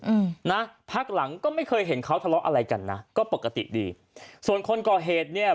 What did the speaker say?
อืมนะพักหลังก็ไม่เคยเห็นเขาทะเลาะอะไรกันนะก็ปกติดีส่วนคนก่อเหตุเนี่ย